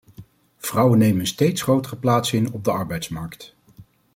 Vrouwen nemen een steeds grotere plaats in op de arbeidsmarkt.